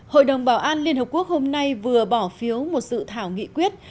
hội đồng bảo an liên hợp quốc hôm nay vừa bỏ phiếu một sự thảo nghị quyết